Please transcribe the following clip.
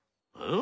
ん？